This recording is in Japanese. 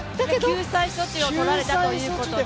救済措置を取られたということで。